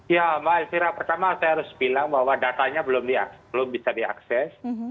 ya mbak elvira pertama saya harus bilang bahwa datanya belum bisa diakses